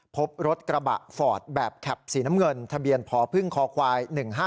พบรถกระบะฟอร์ดแบบแคปสีน้ำเงินทะเบียนพพควาย๑๕๗